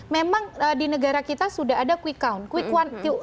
memang di negara kita sudah ada quick count